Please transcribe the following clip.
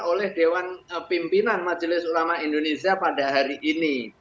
oleh dewan pimpinan majelis ulama indonesia pada hari ini